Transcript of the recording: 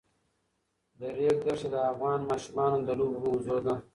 د ریګ دښتې د افغان ماشومانو د لوبو موضوع ده.